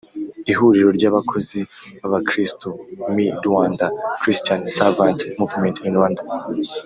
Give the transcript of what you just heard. Ihuriro ry abakozi b abakristu mi Rwanda Christian Servants Movement in Rwanda